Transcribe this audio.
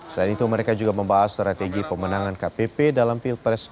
selain itu mereka juga membahas strategi pemenangan kpp dalam pilpres dua ribu sembilan belas